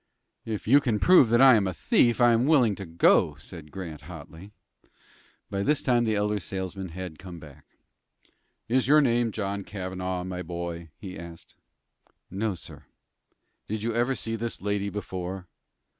"If you can prove that I am a thief, I am willing to go," said Grant, hotly. By this time the elder salesman had come back. "Is your name John Cavanaugh, my boy?" he asked. "No, sir." "Did you ever see this lady before?"